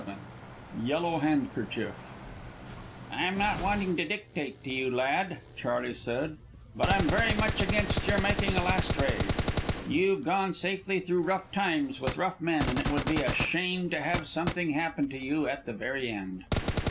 VII YELLOW HANDKERCHIEF "I'm not wanting to dictate to you, lad," Charley said; "but I'm very much against your making a last raid. You've gone safely through rough times with rough men, and it would be a shame to have something happen to you at the very end."